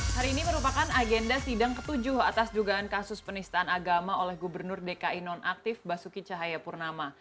hari ini merupakan agenda sidang ke tujuh atas dugaan kasus penistaan agama oleh gubernur dki nonaktif basuki cahaya purnama